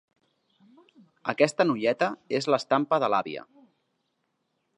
Aquesta noieta és l'estampa de l'àvia.